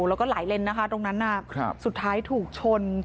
แล้วก็หลายเลนนะคะตรงนั้นสุดท้ายถูกชน